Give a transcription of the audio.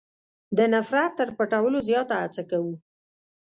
د نفرت تر پټولو زیاته هڅه کوو.